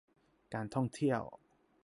การท่องเที่ยว